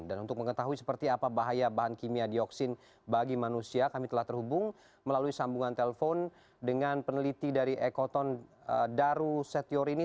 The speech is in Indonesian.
dan untuk mengetahui seperti apa bahaya bahan kimia dioksin bagi manusia kami telah terhubung melalui sambungan telpon dengan peneliti dari ekoton daru setiorini